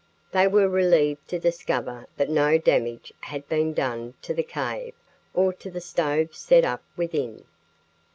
They were relieved to discover that no damage had been done to the cave or to the stove set up within.